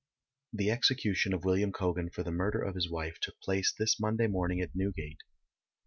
The execution of William Cogan for the murder of his wife took place this (Monday) morning at Newgate.